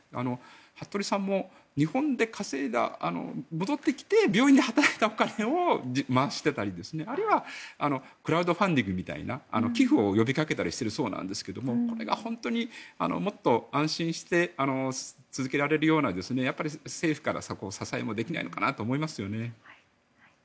服部さんも日本で稼いだ戻ってきて病院で働いたお金を回していたりあるいはクラウドファンディングみたいな寄付を呼びかけたりしているそうなんですがこれが本当にもっと安心して続けられるような政府からの支えもできないのかなと思いますね。